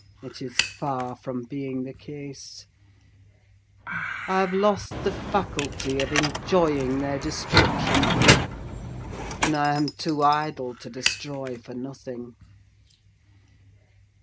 It is far from being the case: I have lost the faculty of enjoying their destruction, and I am too idle to destroy for nothing.